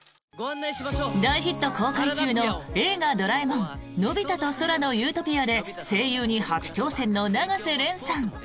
大ヒット公開中の「映画ドラえもんのび太と空の理想郷」で声優に初挑戦の永瀬廉さん。